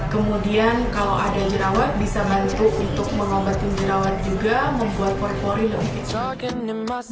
kemudian kalau ada jerawat bisa bantu untuk mengobatin jerawat juga membuat pori pori lebih cerah